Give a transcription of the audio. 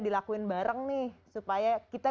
dilakuin bareng nih supaya kita